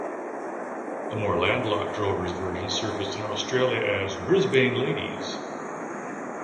A more landlocked drover's version surfaced in Australia as "Brisbane Ladies".